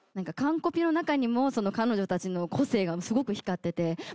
カンコピの中にも彼女たちの個性がすごく光ってて。